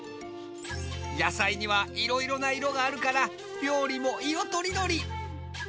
野菜にはいろいろな色があるから料理も色とりどり！